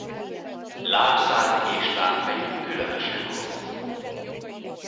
Lábszáruk és lábfejük különösen hosszú.